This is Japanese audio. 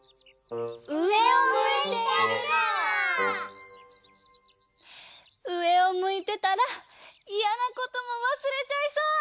うえをむいてたらいやなこともわすれちゃいそう！